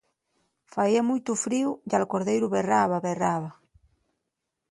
Faía muitu fríu ya'l cordeiru berraba, berraba.